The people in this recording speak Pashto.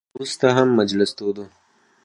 تر ډوډۍ خوړلو وروسته هم مجلس تود و.